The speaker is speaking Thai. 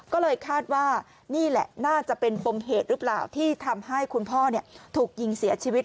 ก็เลยคาดว่านี่แหละน่าจะเป็นปมเหตุหรือเปล่าที่ทำให้คุณพ่อถูกยิงเสียชีวิต